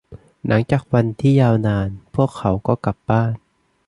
หลังจากวันที่ยาวนาน พวกเขาก็กลับบ้าน